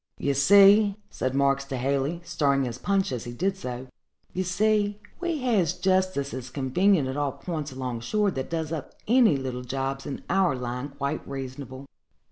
"Ye see," said Marks to Haley, stirring his punch as he did so, "ye see, we has justices convenient at all p'ints along shore, that does up any little jobs in our line quite reasonable.